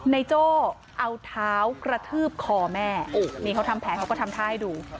ในโจ้เอาเท้ากระทืบคอแม่นี่เขาทำแผนเขาก็ทำท่าให้ดู